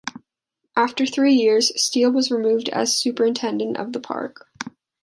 After three years, Steel was removed as superintendent of the park.